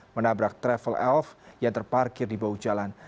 menabrak travel elf yang terparkir di bawah jalan